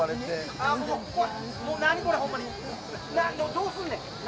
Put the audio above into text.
どうすんねん、何？